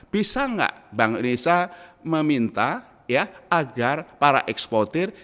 bisa enggak bank indonesia meminta agar para eksporter